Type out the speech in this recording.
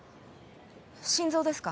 心臓ですか？